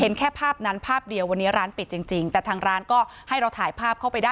แค่ภาพนั้นภาพเดียววันนี้ร้านปิดจริงจริงแต่ทางร้านก็ให้เราถ่ายภาพเข้าไปได้